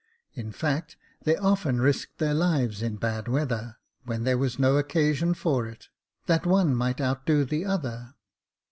In fact, they often risked their lives in bad weather, when there was no occasion for it, that one might outdo the other.